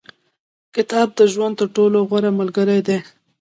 • کتاب، د ژوند تر ټولو غوره ملګری دی.